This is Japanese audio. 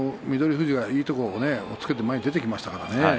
富士がいいところを押っつけて前に出てきましたからね